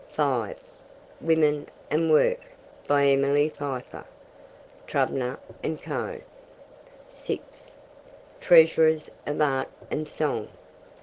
(5) Women and Work. By Emily Pfeiffer. (Trubner and Co.) (6) Treasures of Art and Song.